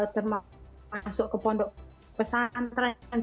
termasuk ke pondok pesantren